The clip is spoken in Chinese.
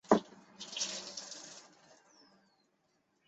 极低密度脂蛋白为一种由肝脏制造的脂蛋白。